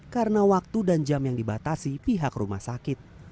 karena waktu dan jam yang dibatasi pihak rumah sakit